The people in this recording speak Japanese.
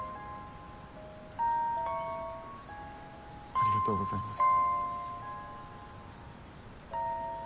ありがとうございます。